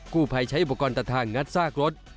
ผู้ภัยใช้อุปกรณ์ตัดทางงัดซากรถ